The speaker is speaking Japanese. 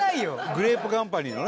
グレープカンパニーのね。